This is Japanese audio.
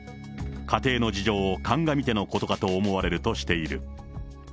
家庭の事情を鑑みてのことかと思われる。